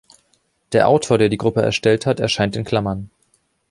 Der Autor, der die Gruppe erstellt hat, erscheint in Klammern.